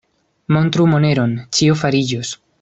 Montru moneron, ĉio fariĝos.